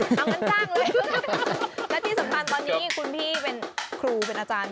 เอางั้นจ้างเลยและที่สำคัญตอนนี้คุณพี่เป็นครูเป็นอาจารย์